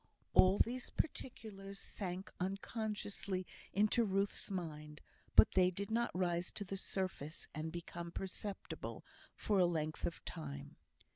All these particulars sank unconsciously into Ruth's mind; but they did not rise to the surface, and become perceptible, for a length of time.